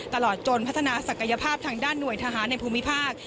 ตลอดจนพัฒนาศักยภาพทางด้านหน่วยทหารในภูมิภาค